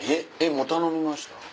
もう頼みました？